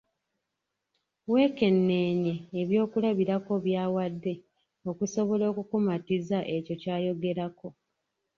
Weekenneenye ebyokulabirako by'awadde okusobola okukumatiza ekyo ky'ayogerako.